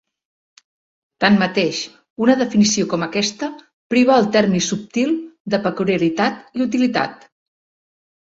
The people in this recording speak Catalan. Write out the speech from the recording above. Tanmateix, una definició com aquesta priva el terme subtil de peculiaritat i utilitat.